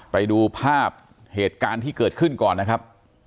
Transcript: ไปดูภาพเหตุการณ์ที่เกิดขึ้นก่อนนะครับ